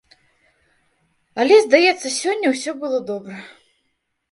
Але, здаецца, сёння ўсё было добра.